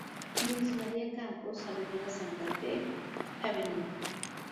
Luis María Campos, Av Santa Fe, Av.